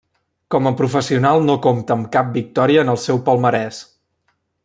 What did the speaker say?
Com a professional no compta amb cap victòria en el seu palmarès.